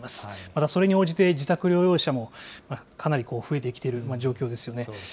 またそれに応じて、自宅療養者もかなり増えてきているような状況ですよね。